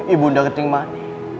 ibu nda ketinggmati